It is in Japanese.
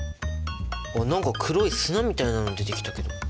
何か黒い砂みたいなの出てきたけど。